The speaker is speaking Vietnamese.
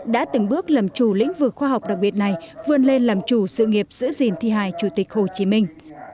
đã từng bước làm chủ lĩnh vực khoa học đặc biệt này vươn lên làm chủ sự nghiệp giữ gìn thi hài chủ tịch hồ chí minh